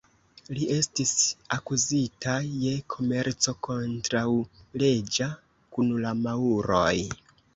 Li estis akuzita je komerco kontraŭleĝa kun la maŭroj.